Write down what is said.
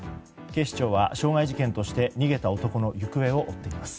警視庁は傷害事件として逃げた男の行方を追っています。